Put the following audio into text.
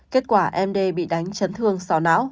kết quả m d bị đánh chấn thương sọ não